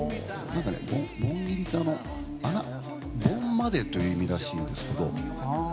盆ギリって、「盆まで」という意味らしいんですけど。